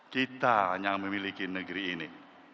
kita yang memiliki negeri ini